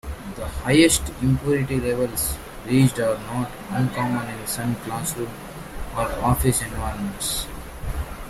The highest impurity levels reached are not uncommon in some classroom or office environments.